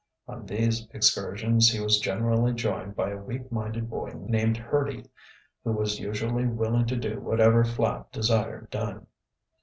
On these excursions he was generally joined by a weak minded boy named Hurdy, who was usually willing to do whatever Flapp desired done.